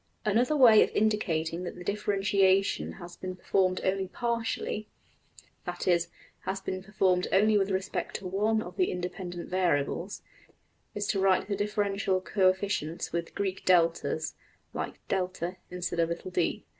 Another way of indicating that the differentiation has been performed only \emph{partially}, that is, has been performed only with respect to \emph{one} of the independent \DPPageSep{188.png}% variables, is to write the differential coefficients with Greek deltas, like~$\partial$, instead of little~$d$.